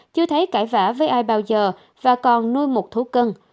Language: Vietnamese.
chưa thấy cãi vã với ai bao giờ và còn nuôi một thú cưng